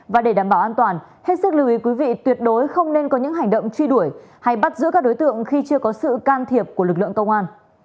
và để đảm bảo an toàn hết sức lưu ý quý vị tuyệt đối không nên có những hành động truy đuổi hay bắt giữ các đối tượng khi chưa có sự can thiệp của lực lượng công an